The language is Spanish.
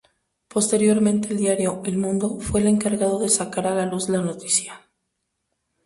Posteriormente el diario "El Mundo" fue el encargado de sacar a luz la noticia.